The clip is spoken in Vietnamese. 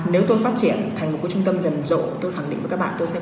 nếu các trung tâm ngoại ngữ có thể tìm hiểu kỹ